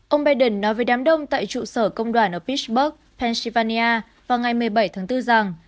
ông biden nói về đám đông tại trụ sở công đoàn ở pitsburg pennsylvania vào ngày một mươi bảy tháng bốn rằng